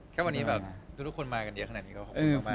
แค่วันนี้แบบทุกคนมากันเยอะขนาดนี้ก็ขอบคุณมาก